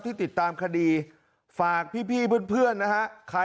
จะขัดแย้งกับร้านไหนหรือเปล่า